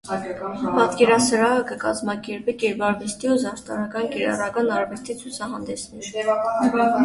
Պատկերասրահը կը կազմակերպէ կերպարուեստի եւ զարդական կիրառական արուեստի ցուցահանդէսներ։